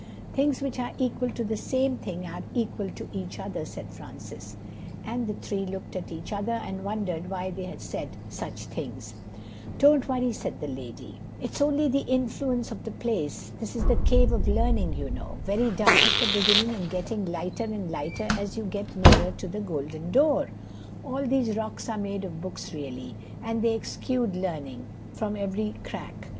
"Things which are equal to the same thing are equal to each other," said Francis; and the three looked at each other and wondered why they had said such things. "Don't worry," said the lady, "it's only the influence of the place. This is the Cave of Learning, you know, very dark at the beginning and getting lighter and lighter as you get nearer to the golden door. All these rocks are made of books really, and they exude learning from every crack.